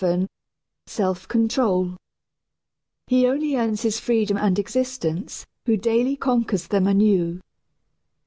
VII SELF CONTROL He only earns his freedom and existence Who daily conquers them anew.